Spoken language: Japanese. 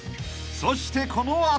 ［そしてこの後］